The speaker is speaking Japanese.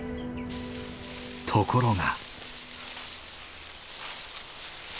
ところが。